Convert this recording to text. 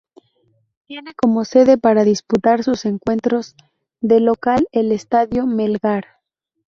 Tiene como sede para disputar sus encuentros de local el Estadio Melgar.